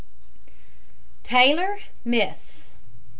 TAYLOR, MISS.